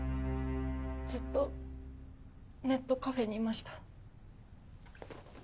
ずっとネットカフェにいました。